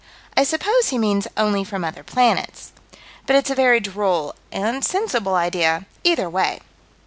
I suppose he means only from other planets. But it's a very droll and sensible idea either way.